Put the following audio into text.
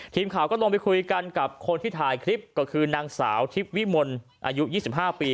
ทีมข่าวก็ลงไปคุยกันกับคนที่ถ่ายคลิปก็คือนางสาวทิพย์วิมลอายุ๒๕ปี